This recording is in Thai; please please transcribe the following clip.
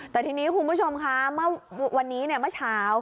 แต่ทีนี้คุณผู้ชมคะเมื่อวันนี้เมื่อเช้า